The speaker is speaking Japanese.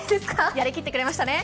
やりきってくれましたね。